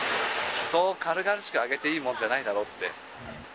そう軽々しく上げていいもんじゃないだろうって。